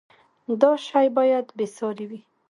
دا شی باید بې ساری وي.